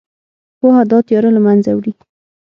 پوهه دا تیاره له منځه وړي.